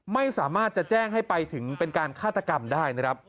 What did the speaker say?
ไม่สามารถจะแจ้งให้ไปถึงเป็นการฆาตกรรมได้นะครับ